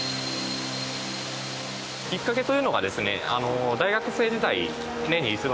きっかけというのがですね。